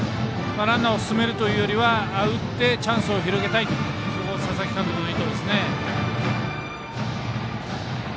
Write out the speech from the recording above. ランナーを進めるというよりは打ってチャンスを広げたいという佐々木監督の意図ですね。